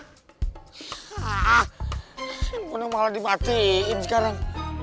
si ponen malah dimatiin sekarang